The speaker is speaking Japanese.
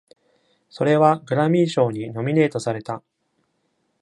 それはグラミー賞にノミネートされた。